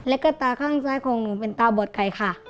แล้วก็ตาข้างซ้ายของหนูเป็นตาบอดไก่ค่ะ